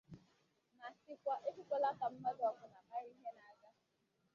ma sịkwa ya ekwekwala ka mmadụ ọbụla mara ihe na-aga